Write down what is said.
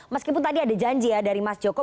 meskipun tadi ada janji ya dari mas joko